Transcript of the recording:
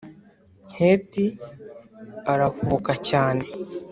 Heti arahubuka cyane